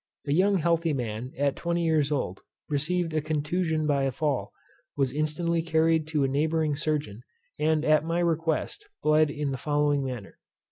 A young healthy man, at 20 years old, received a contusion by a fall, was instantly carried to a neighbouring surgeon, and, at my request, bled in the following manner.